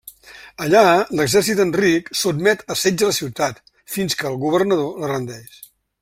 Allà, l'exèrcit d'Enric sotmet a setge la ciutat, fins que el governador la rendeix.